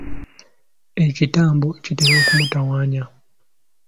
Ekitambo kitera okumutawaanya.